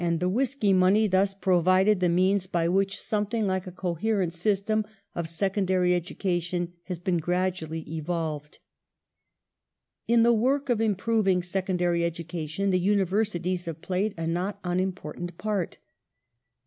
406 NATIONAL EDUCATION [1833 " Whisky money " thus provided the means by which something Hke a coherent system of secondary education has been gradually evolved.^ The Uni In the work of improving secondary education the Univer versities gities have played a not unimportant part.